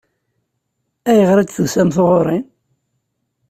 Ayɣer i d-tusamt ɣur-i?